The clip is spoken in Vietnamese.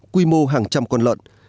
quy mô hàng trăm con lợn